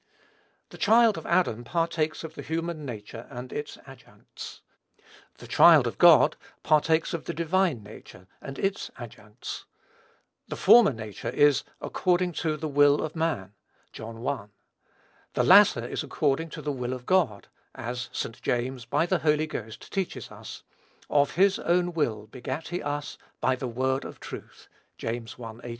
The child of Adam partakes of the human nature and its adjuncts; the child of God partakes of the divine nature and its adjuncts. The former nature is according to "the will of man," (John i.,) the latter is according to "the will of God;" as St. James, by the Holy Ghost, teaches us, "of his own will begat he us by the word of truth." (James i. 18.)